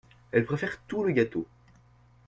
Elle préfère tout le gâteau.